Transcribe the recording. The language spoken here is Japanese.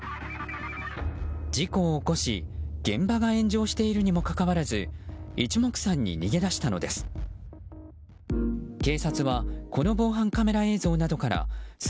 事故を起こし、現場が炎上しているにもかかわらず一目散に逃げ出したのです。